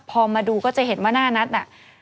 พอมาดูก็จะเห็นว่าหน้านัทน่ะ